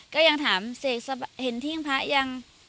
ก็ยังถามเสกเห็นเที่ยงพระยัง